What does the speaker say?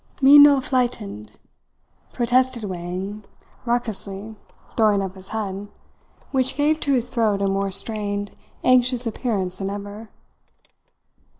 "Me no flightened," protested Wang raucously, throwing up his head which gave to his throat a more strained, anxious appearance than ever.